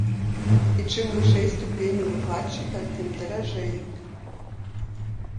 І чым вышэй ступень у выкладчыка, тым даражэй.